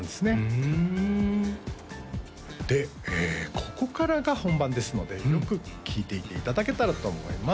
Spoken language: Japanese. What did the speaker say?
ふんでここからが本番ですのでよく聞いていていただけたらと思います